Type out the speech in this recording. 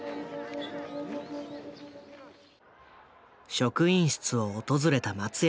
職員室を訪れた松山。